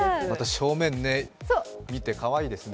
正面見て、かわいいですね。